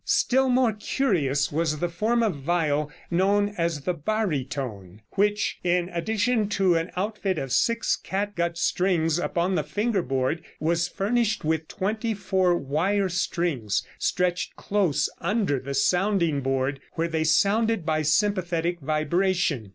] Still more curious was the form of viol known as the barytone, which, in addition to an outfit of six catgut strings upon the finger board, was furnished with twenty four wire strings, stretched close under the sounding board, where they sounded by sympathetic vibration.